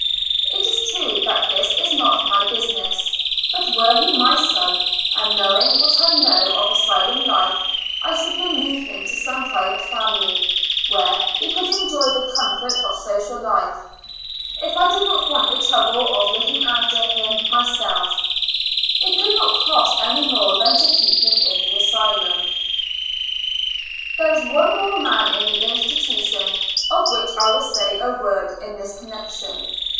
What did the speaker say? It is true that this is not my business, but were he my son, and knowing what I know of asylum life, I should remove him to some private family, where he could enjoy the comfort of social life, if I did not 9G Two Years and Four Months want the trouble of looking after him my self; it could not cost anymore than to keep him in the asylum. There is one more man in the institution of which I will say a word in this connec tion.